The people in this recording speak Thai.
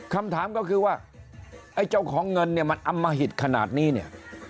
คำถามก็คือว่าไอ้เจ้าของเงินมันอำมหิตขนาดนี้